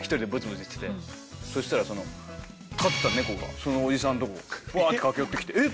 そしたらその飼ってた猫がそのおじさんとこワーッて駆け寄ってきてえっ！